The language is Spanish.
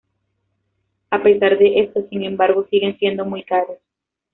A pesar de esto, sin embargo, siguen siendo muy caros.